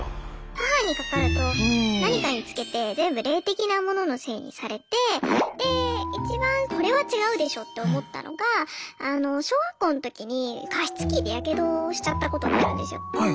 母にかかると何かにつけて全部霊的なもののせいにされてで一番これは違うでしょって思ったのが小学校の時に加湿器でヤケドをしちゃったことがあるんですよ。